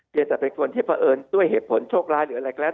จะเป็นคนที่เผอิญด้วยเหตุผลโชคร้ายหรืออะไรก็แล้ว